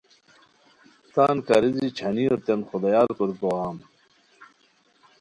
تان کاریزی چھانیوتین خدایار کوریکو غم